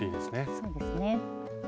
そうですね。